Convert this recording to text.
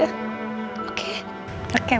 supaya kita bisa pergi berdua aja